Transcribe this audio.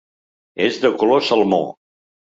És de color salmó.